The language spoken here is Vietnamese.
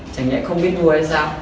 chẳng hạn không biết vui hay sao